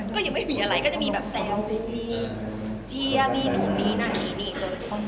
ก็ยังไม่มีอะไรก็จะมีแบบแสงก็จะมีแบบแกล้ง